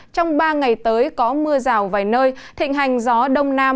trong ba ngày tới có mưa rào vài nơi thịnh hành gió đông nam